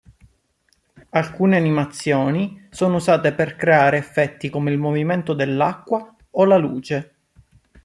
Alcune animazioni sono usate per creare effetti come il movimento dell'acqua o la luce.